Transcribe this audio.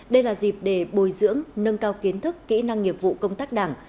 đây là dịp để bồi dưỡng nâng cao kiến thức kỹ năng nghiệp vụ công tác đảng